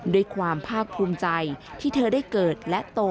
ด้วยความภาคภูมิใจที่เธอได้เกิดและโต